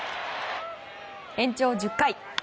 延長１０回。